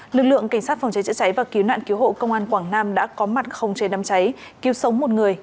lực lượng cảnh sát phòng cháy chữa cháy và cứu nạn cứu hộ công an quảng nam đã có mặt không chế đám cháy cứu sống một người